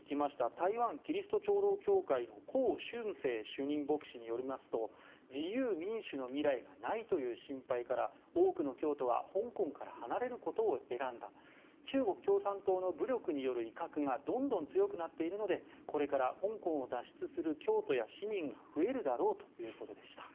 台湾基督長老教会のコウ・シュンセイ主任牧師によりますと自由民主の未来がないという心配から多くの教徒は香港から離れることを選んだ中国共産党の武力による威嚇がどんどん強くなっているのでこれから香港を脱出する教徒や市民が増えるだろうということでした。